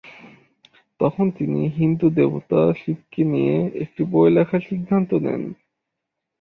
তখন তিনি হিন্দু দেবতা শিবকে নিয়ে একটি বই লেখার সিদ্ধান্ত নেন।